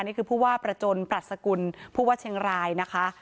นี่คือผู้ว่าประจนปรัชกุลผู้ว่าเชียงรายนะคะ